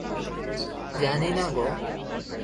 জানি না গো।